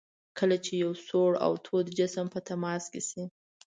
کله چې یو سوړ او تود جسم په تماس شي.